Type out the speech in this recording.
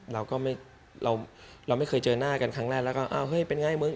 เราก็ไม่เราไม่เคยเจอหน้ากันครั้งแรกแล้วก็อ้าวเฮ้ยเป็นไงมึง